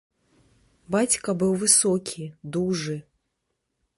Бацька быў высокі, дужы.